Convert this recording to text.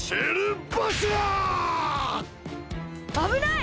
あぶない！